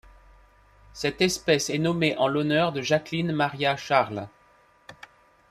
Cette espèce est nommée en l'honneur de Jacqueline Maria Charles.